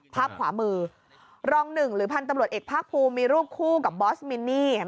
ภาพขวามือรองหนึ่งหรือพันธุ์ตำรวจเอกภาคภูมิมีรูปคู่กับบอสมินนี่